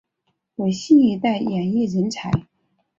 为新一代演艺人才。